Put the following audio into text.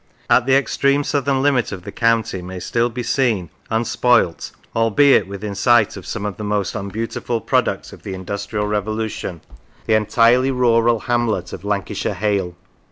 At the extreme southern limit of the county may still be seen, unspoilt albeit within sight of some of the most unbeautiful products of the Industrial Re volution the entirely rural hamlet of Lancashire Hale.